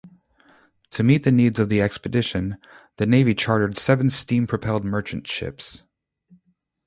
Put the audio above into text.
To meet the needs of the expedition, the Navy chartered seven steam-propelled merchant ships.